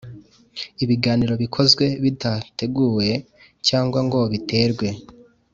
ibiganiro bikozwe bidateguwe cyangwa ngo biterwe